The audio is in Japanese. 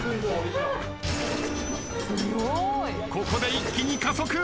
ここで一気に加速。